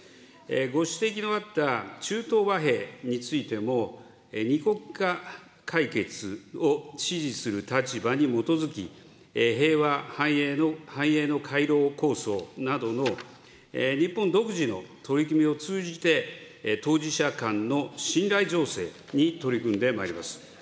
ご指摘のあった中東和平についても、２国間解決を支持する立場に基づき、平和、繁栄の回廊構想など、日本独自の取り組みを通じて、当事者間の信頼醸成に取り組んでまいります。